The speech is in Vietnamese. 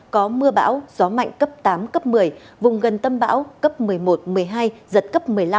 có mưa bão gió mạnh cấp tám cấp một mươi vùng gần tâm bão cấp một mươi một một mươi hai giật cấp một mươi năm